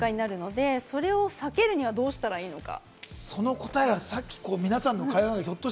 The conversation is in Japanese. けんかになるのでそれを避けるにはどうしたらいいのか。